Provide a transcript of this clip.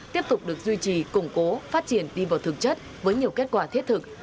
tiếp tục được duy trì củng cố phát triển đi vào thực chất với nhiều kết quả thiết thực